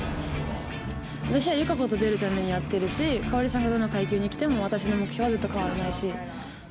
私は友香子と出るためにやってるし、馨さんがどんな階級に来ても、私の目標はずっと変わらないし。